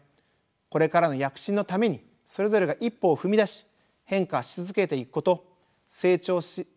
これからの躍進のためにそれぞれが一歩を踏み出し変化し続けていくこと成長し続けていくことです。